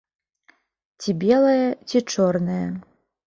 Ці белае, ці чорнае.